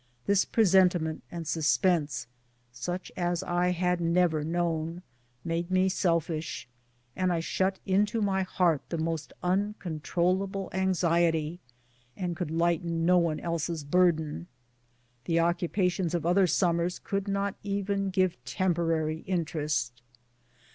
This presentiment and suspense, such as I had never known, made me selfish, and I shut into my heart the most uncontrollable anxiety, and could lighten no one else's burden. The occupations of other summers could not even give temporary interest.